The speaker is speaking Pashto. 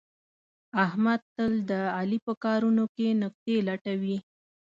احمد تل د علي په کارونو کې نکتې لټوي.